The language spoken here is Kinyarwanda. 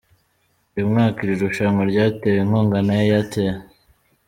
Uyu mwaka iri rushanwa ryatewe inkunga na Airtel.